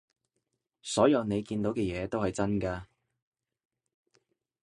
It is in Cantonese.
所有你見到嘅嘢都係真㗎